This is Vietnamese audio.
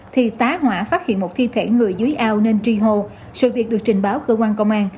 thì tá hỏa phát hiện một thi thể người dưới ao nên tri hô sự việc được trình báo cơ quan công an